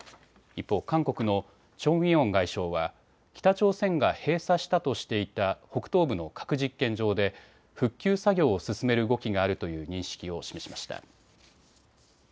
一方、韓国のチョン・ウィヨン外相は北朝鮮が閉鎖したとしていた北東部の核実験場で復旧作業を進める動きがあるという認識を示しました。